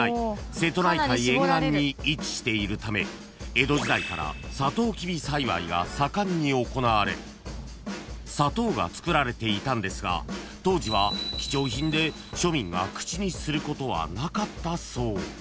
［江戸時代からサトウキビ栽培が盛んに行われ砂糖がつくられていたんですが当時は貴重品で庶民が口にすることはなかったそう］